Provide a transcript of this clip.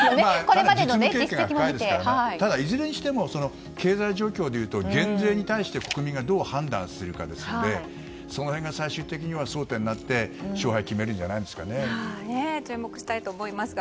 ただ、いずれにしても経済状況でいうと減税に対して国民がどう判断するかですのでそれが焦点になって勝敗が決まると思います。